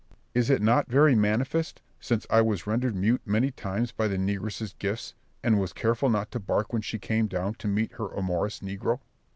Berg. Is it not very manifest, since I was rendered mute many times by the negress's gifts, and was careful not to bark when she came down to meet her amorous negro?